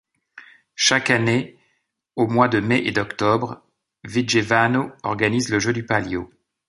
Chaque année, aux mois de mai et d'octobre, Vigevano organise le jeu du Palio.